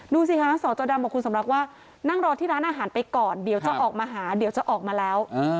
ดูสิคะสจดำบอกคุณสำรักว่านั่งรอที่ร้านอาหารไปก่อนเดี๋ยวจะออกมาหาเดี๋ยวจะออกมาแล้ว